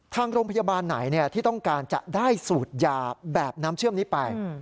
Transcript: ทางโรงพยาบาลไหนที่ต้องการจะได้สูตรยาแบบน้ำเชื่อมนี้ไป